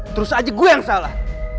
terus aja gue yang salah